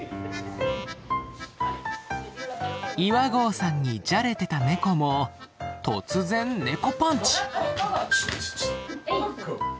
岩合さんにじゃれてたネコも突然ネコパンチ。